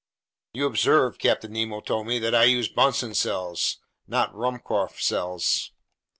"You observe," Captain Nemo told me, "that I use Bunsen cells, not Ruhmkorff cells.